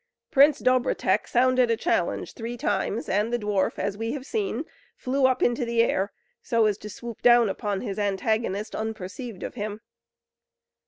Prince Dobrotek sounded a challenge three times, and the dwarf, as we have seen, flew up into the air, so as to swoop down upon his antagonist, unperceived of him.